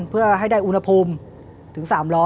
เพื่อให้ได้อุณหภูมิถึง๓๐๐